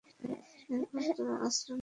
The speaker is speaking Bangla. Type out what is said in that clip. এরপর তারা আশ্রয় নেন ভারতে।